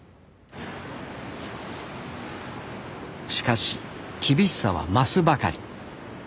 しかし厳しさは増すばかり。